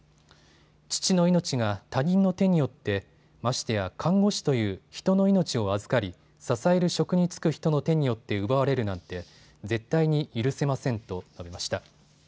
父の命が他人の手によって、ましてや看護師という人の命を預かり、支える職に就く人の手によって奪われるなんて絶対に許せませんと述べました。